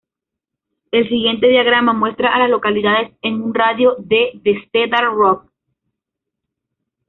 El siguiente diagrama muestra a las localidades en un radio de de Cedar Rock.